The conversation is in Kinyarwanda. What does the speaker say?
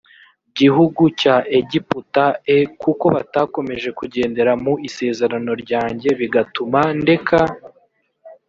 gihugu cya egiputa e kuko batakomeje kugendera mu isezerano ryanjye bigatuma ndeka